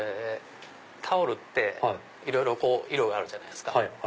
タオルっていろいろ色があるじゃないですか。